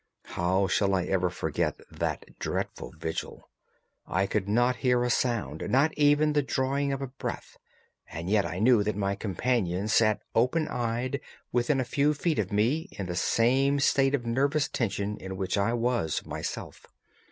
How shall I ever forget that dreadful vigil? I could not hear a sound, not even the drawing of a breath, and yet I knew that my companion sat open eyed, within a few feet of me, in the same state of nervous tension in which I was myself.